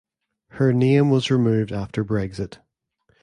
Her name was removed after Brexit.